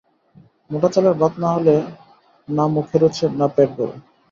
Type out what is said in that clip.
মোটা চালের ভাত না হলে না মুখে রোচে, না পেট ভরে।